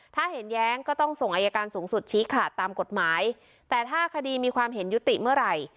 ถ้าเห็นแย้งก็ต้องส่งอายการสูงสุดชี้ขาดตามกฎหมายแต่ถ้าคดีมีความเห็นยุติเมื่อไหร่